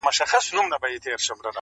قاتلان او جاهلان یې سرداران دي٫